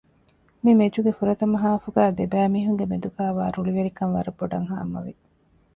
މި މެޗުގެ ފުރަތަމަ ހާފުގައި ދެބައި މީހުންގެ މެދުގައިވާ ރުޅިވެރިކަން ވަރަށް ބޮޑަށް ހާމަވި